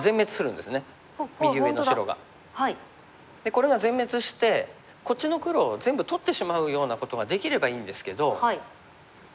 これが全滅してこっちの黒を全部取ってしまうようなことができればいいんですけど。